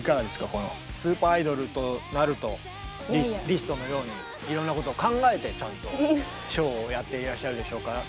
リストのようにいろんなことを考えてちゃんとショーをやっていらっしゃるでしょうから。